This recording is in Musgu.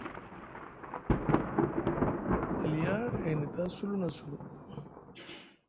Aliya e hni taa sulu na sulu.